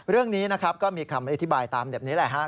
เรื่องนี้นะครับก็มีคำอธิบายตามแบบนี้แหละฮะ